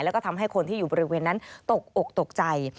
แล้วก็ทำให้คนที่อยู่บริเวณนั้นตกอกตกใจ